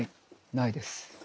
ないです。